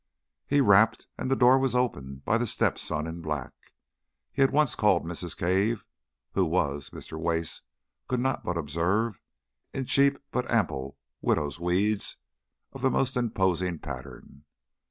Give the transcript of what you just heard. He rapped and the door was opened by the step son in black. He at once called Mrs. Cave, who was, Mr. Wace could not but observe, in cheap but ample widow's weeds of the most imposing pattern.